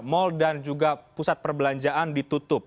mal dan juga pusat perbelanjaan ditutup